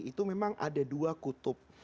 itu memang ada dua kutub